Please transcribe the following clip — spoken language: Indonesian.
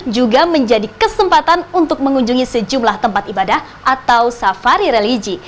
juga menjadi kesempatan untuk mengunjungi sejumlah tempat ibadah atau safari religi